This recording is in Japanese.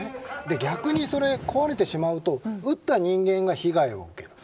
逆に、壊れてしまうと撃った人間が被害を受ける。